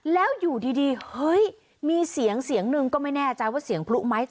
แล้วอยู่ดีเฮ้ยมีเสียงเสียงหนึ่งก็ไม่แน่ใจว่าเสียงพลุไหม